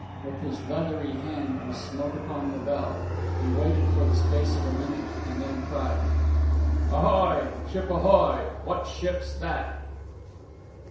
With his leathery hand he smote upon the bell. He waited for the space of a minute, and then cried: "Ahoy!... Ship ahoy!... What ship's that?"